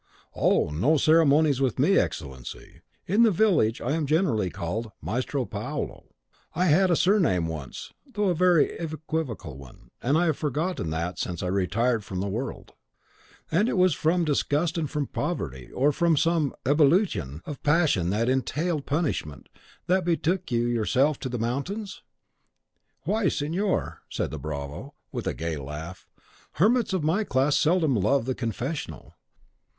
"Oh, no ceremonies with me, Excellency. In the village I am generally called Maestro Paolo. I had a surname once, though a very equivocal one; and I have forgotten THAT since I retired from the world." "And was it from disgust, from poverty, or from some some ebullition of passion which entailed punishment, that you betook yourself to the mountains?" "Why, signor," said the bravo, with a gay laugh, "hermits of my class seldom love the confessional.